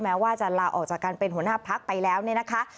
แม้ว่าจะลาออกจากการเป็นหัวหน้าพักไปแล้วเนี่ยนะคะ